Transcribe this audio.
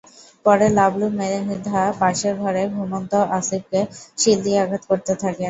পরে লাবলু মৃধা পাশের ঘরে ঘুমন্ত আসিফকে শিল দিয়ে আঘাত করতে থাকেন।